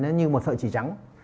nó như một sợi chỉ trắng